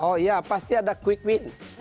oh iya pasti ada quick win